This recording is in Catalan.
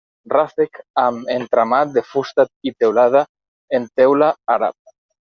Ràfec amb entramat de fusta i teulada en teula àrab.